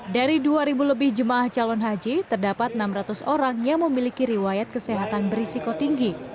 dari dua lebih jemaah calon haji terdapat enam ratus orang yang memiliki riwayat kesehatan berisiko tinggi